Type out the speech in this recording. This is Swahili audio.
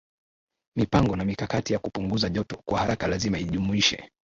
mipango na mikakati ya kupunguza joto kwa haraka lazima ijumuishe